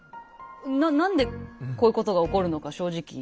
何でこういうことが起こるのか正直。